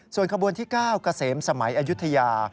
ส่วนขบวนที่เก้ากระเสมสมัยอยุธยา